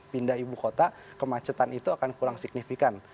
pindah ibu kota kemacetan itu akan kurang signifikan